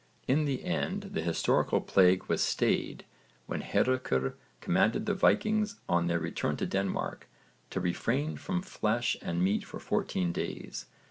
In the end the historical plague was stayed when Hárekr commanded the Vikings on their return to Denmark to refrain from flesh and meat for fourteen days.